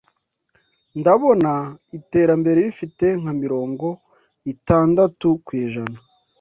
Ndabona iterambere rifite nka mirongo itandatu kw’ijana